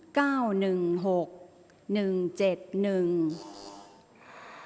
ออกรางวัลที่๖